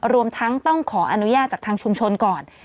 รวมทั้งต้องขออนุญาตจากทางชุมชนก่อน